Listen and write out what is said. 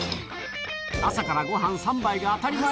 朝からごはん３杯が当たり前。